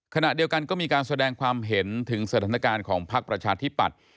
ขณะเดียวกันก็มีการแสดงความเห็นถึงสถานการณ์ของพักประชาธิปัตย์